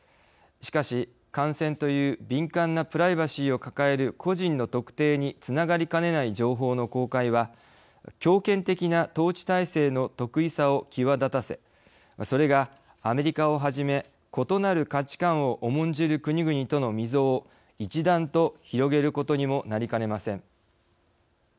しかし、感染という敏感なプライバシーを抱える個人の特定につながりかねない情報の公開は強権的な統治体制の特異さを際立たせ、それがアメリカをはじめ異なる価値観を重んじる国々との溝を一段と広げることにもなりかねません。